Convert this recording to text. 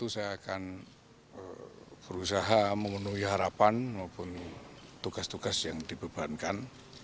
saya akan berusaha memenuhi harapan maupun tugas tugas yang dibebankan